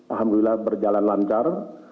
alhamdulillah berjalan lancar